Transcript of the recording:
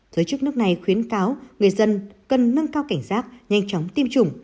giới chức nước này khuyến cáo người dân cần nâng cao cảnh giác nhanh chóng tiêm chủng